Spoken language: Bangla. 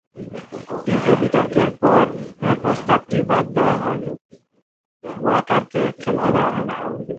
তীব্র বিতর্কের পর, প্রস্তাবটি বাদ দেওয়া হয়, ওয়াকারকে খেলতে দেওয়া হয়।